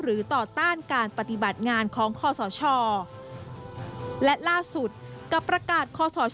หรือต่อต้านการปฏิบัติงานของข้อสอช่อและล่าสุดกับประกาศข้อสอช่อ